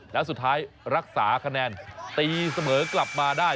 แล้วสุดท้ายรักษาคะแนนตีเสมอกลับมาได้